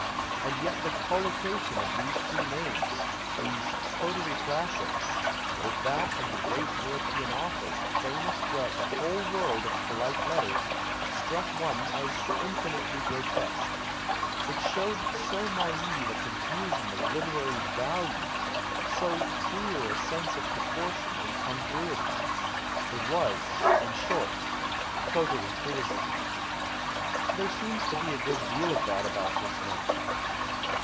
And yet the collocation of these three names, these coterie 88 G 2 PASTICHE AND PREJUDICE classics, with tliat ol the great P^uropean author, famous througliout the whole world of })olite letters, struck one as infinitely grotesque. It showed so naive a confusion of literary " values," so queer a sense of proportion and eongruity. It was, in short, coterie criticism. There seems to be a good deal of that about just now.